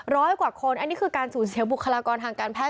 ร้อยกว่าคนอันนี้คือการสูญเสียบุคลากรทางการแพทย